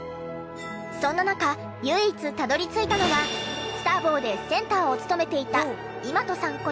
そんな中唯一たどり着いたのがスターボーでセンターを務めていたへえ！